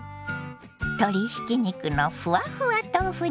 鶏ひき肉のふわふわ豆腐